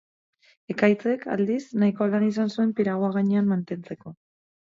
Ekaitzek, aldiz, nahiko lan izan zuen piragua gainean mantentzeko.